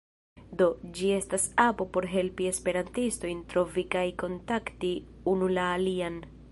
Do, ĝi estas apo por helpi esperantistojn trovi kaj kontakti unu la alian.